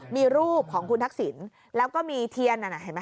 มีรูปของคุณทักษิณแล้วก็มีเทียน